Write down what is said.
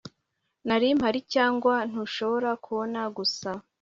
nari mpari, cyangwa ntushobora kubona gusa